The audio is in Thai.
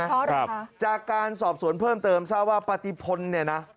เพราะอะไรครับถ้าการสอบสวนเพิ่มเติมซะว่าปฏิพลนี่นะ